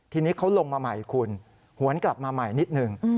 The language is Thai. ทีนี้เขาลงมาใหม่คุณหวนกลับมาใหม่นิดหนึ่ง